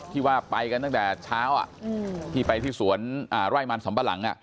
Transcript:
ที่ว่าไปกันตั้งแต่เช้าที่ไปที่สวนไร่มันสำปะหลัง